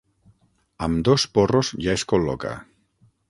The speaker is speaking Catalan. Amb dos porros ja es col·loca.